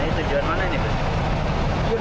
ini tujuan mana ini